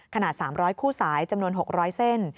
ขนาด๓๐๐คู่สายจำนวน๖๐๐เส้น